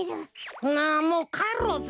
なあもうかえろうぜ。